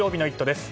です。